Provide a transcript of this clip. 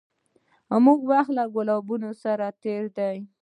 موږه وخت له ګلابونو سره تېر دی